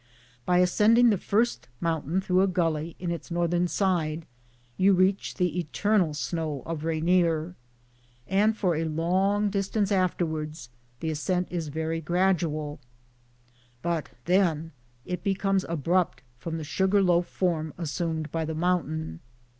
By ascending the first mountain through a gully in its northern side, you reach the eternal snow of Rainier, and for a long distance afterwards the ascent is very gradual, but then it becomes abrupt from the sugar loaf form assumed by the mountain.